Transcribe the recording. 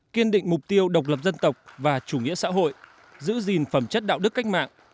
kiên định mục tiêu độc lập dân tộc và chủ nghĩa xã hội giữ gìn phẩm chất đạo đức cách mạng